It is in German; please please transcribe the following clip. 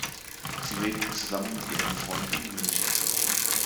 Sie lebt zusammen mit ihrem Freund in München.